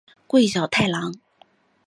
桂小太郎。